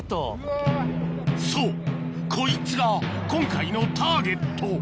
そうこいつが今回のターゲット